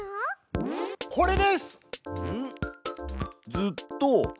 「ずっと」